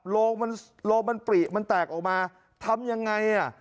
โรงมันปลี่มันแตกออกมาทำอย่างไร